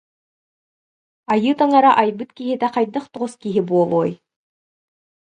Айыы таҥара айбыт киһитэ хайдах тоҕус киһи буолуой